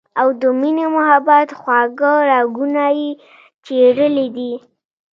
او د مينې محبت خواږۀ راګونه ئې چېړلي دي